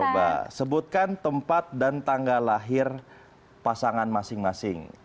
coba sebutkan tempat dan tanggal lahir pasangan masing masing